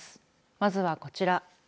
まずはこちら。